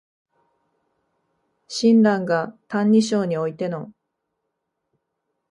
親鸞が「歎異抄」においての